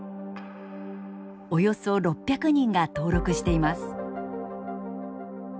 およそ６００人が登録しています。